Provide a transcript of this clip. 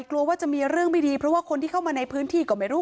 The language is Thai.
กลัวว่าจะมีเรื่องไม่ดีเพราะว่าคนที่เข้ามาในพื้นที่ก็ไม่รู้